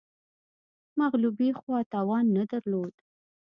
مغلوبې خوا توان نه درلود